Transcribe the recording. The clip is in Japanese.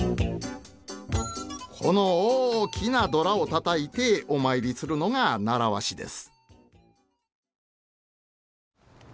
この大きなドラをたたいてお参りするのが習わしです。